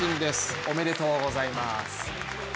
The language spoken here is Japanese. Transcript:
おめでとうございます！